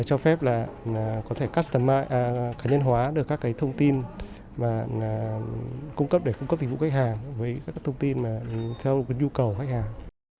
cho phép là có thể cá nhân hóa được các thông tin để cung cấp dịch vụ khách hàng với các thông tin theo nhu cầu khách hàng